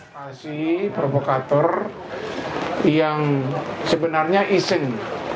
masih provokator yang sebenarnya iseng